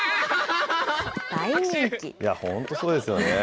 本当そうですよね。